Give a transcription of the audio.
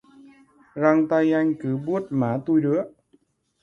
Răng tay anh cứ buốt má tui rứa